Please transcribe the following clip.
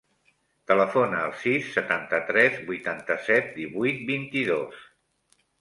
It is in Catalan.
Telefona al sis, setanta-tres, vuitanta-set, divuit, vint-i-dos.